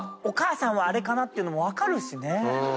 お母さんはあれかなっていうのも分かるしね。